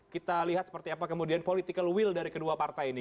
kita lihat seperti apa kemudian political will dari kedua partai ini